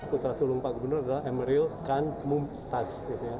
putra sulung pak gubernur adalah emeril kan mumtaz